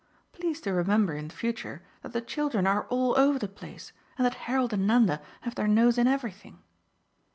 Please to remember in future that the children are all over the place and that Harold and Nanda have their nose in everything."